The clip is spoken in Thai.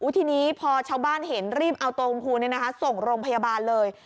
ทีนี้พอชาวบ้านเห็นรีบเอาตัวคุณครูส่งโรงพยาบาลเลย